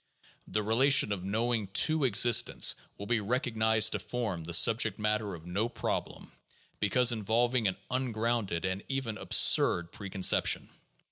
The relation of knowing to existence will be recognized to form the subject matter of no problem, because in volving an ungrounded and even absurd preconception.